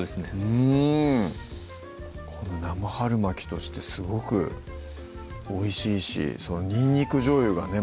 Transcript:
うん生春巻きとしてすごくおいしいしにんにくじょうゆがね